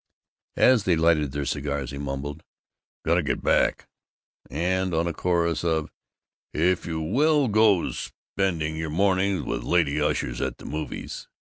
As they lighted their cigars he mumbled, "Got to get back," and on a chorus of "If you will go spending your mornings with lady ushers at the movies!"